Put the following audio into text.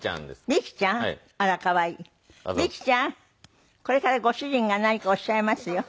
ミキちゃんこれからご主人が何かおっしゃいますよ。